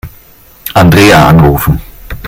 Andrea anrufen.